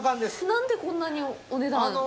なんで、こんなにお値段が？